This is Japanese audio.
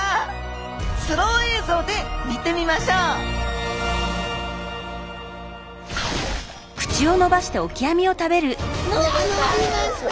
スロー映像で見てみましょう伸びた！